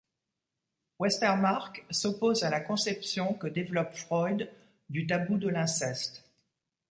Westermarck s'oppose à la conception que développe Freud du tabou de l'inceste.